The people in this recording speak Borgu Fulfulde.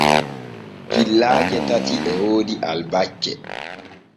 Killaaje tati e woodi albacce.